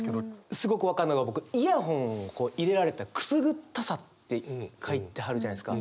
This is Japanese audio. すごく分かるのが僕イヤホン入れられたくすぐったさって書いてはるじゃないですか。